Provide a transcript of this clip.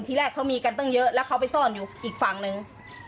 แรกเขามีกันตั้งเยอะแล้วเขาไปซ่อนอยู่อีกฝั่งหนึ่ง